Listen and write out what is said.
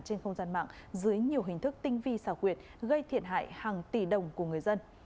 trên không gian mạng dưới nhiều hình thức tinh vi xảo quyệt gây thiệt hại hàng tỷ đồng của người dân